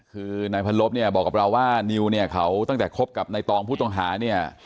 คือนายพันลบเนี่ยบอกกับเราว่านิวเนี่ยเขาตั้งแต่คบกับนายตองผู้ต้องหาเนี่ย